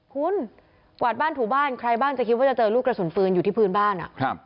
คุณกวาดบ้านถูบ้านใครบ้างจะคิดว่าจะเจอลูกกระสุนปืนอยู่ที่พื้นบ้าน